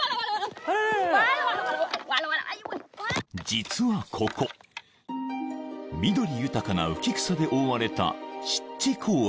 ［実はここ緑豊かな浮草で覆われた湿地公園］